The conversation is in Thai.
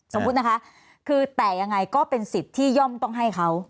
สมมุตินะคะคือแต่ยังไงก็เป็นสิทธิ์ที่ย่อมต้องให้เขา